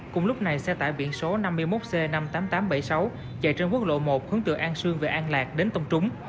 cùng lúc này xe tải biển số năm mươi một c năm mươi tám nghìn tám trăm bảy mươi sáu chạy trên quốc lộ một hướng từ an sương về an lạc đến tông trúng